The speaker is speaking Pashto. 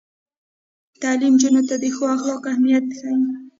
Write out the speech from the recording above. تعلیم نجونو ته د ښو اخلاقو اهمیت ښيي.